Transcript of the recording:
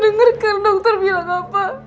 dengarkan dokter bilang apa